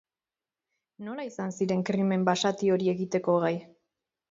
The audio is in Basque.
Nola izan ziren krimen basati hori egiteko gai?